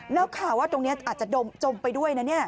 แล้วข่าวว่าตรงนี้อาจจะจมไปด้วยนะเนี่ย